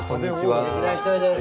劇団ひとりです。